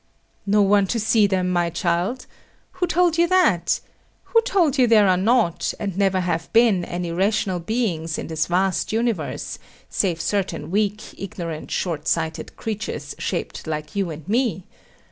No one to see them, my child? Who told you that? Who told you there are not, and never have been any rational beings in this vast universe, save certain weak, ignorant, short sighted creatures shaped like you and me?